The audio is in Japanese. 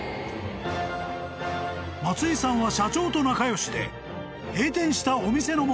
［松井さんは社長と仲良しで閉店したお店のものを］